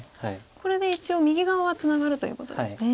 これで一応右側はツナがるということですね。